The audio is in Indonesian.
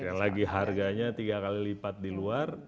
yang lagi harganya tiga kali lipat di luar